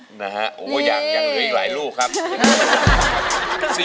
โอ้โหยังเหลืออีกหลายลูกครับ